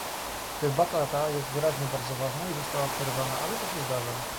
Debata ta jest wyraźnie bardzo ważna i została przerwana, ale to się zdarza